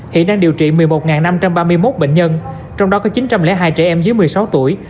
hiện đang điều trị một mươi một năm trăm ba mươi một bệnh nhân trong đó có chín trăm linh hai trẻ em dưới một mươi sáu tuổi